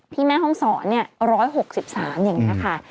ที่แม่ห้องศร๑๖๐ศาลอย่างนี้ค่ะ